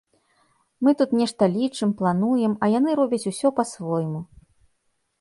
Мы тут нешта лічым, плануем, а яны робяць усё па-свойму.